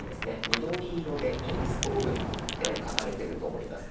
緑色で「インストール」って書かれてると思います。